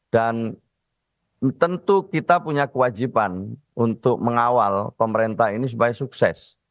dan tentu kita punya kewajiban untuk mengawal pemerintah ini sebagai sukses